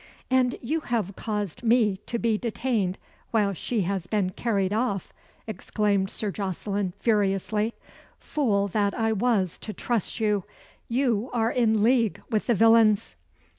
"And you have caused me to be detained while she has been carried off," exclaimed Sir Jocelyn, furiously. "Fool that I was to trust you! You are in league with the villains."